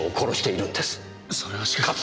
それはしかし。